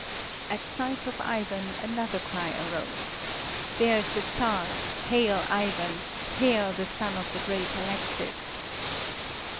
At sight of Ivan another cry arose. "There's the Czar! Hail Ivan! Hail the son of the great Alexis!"